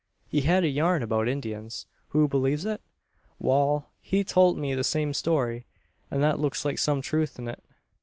"He had a yarn about Indians. Who believes it?" "Wal; he tolt me the same story, and that looks like some truth in't.